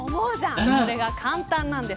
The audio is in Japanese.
それが簡単なんです。